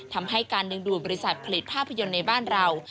ทำให้การดึงดูดบริษัทผลิตภาพยนตร์ในบ้านเรา